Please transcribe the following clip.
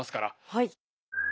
はい。